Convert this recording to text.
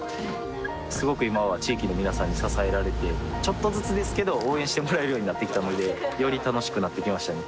すごく今は地域の皆さんに支えられてちょっとずつですけど応援してもらえるようになってきたのでより楽しくなってきましたね